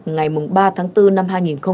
ngày ba tháng bốn năm hai nghìn một mươi bảy